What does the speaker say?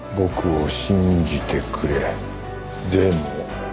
でも」